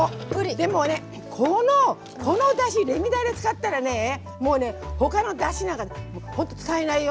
でもねこのだしレミだれ使ったらねもうね他のだしなんか使えないよ。